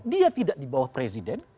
dia tidak di bawah presiden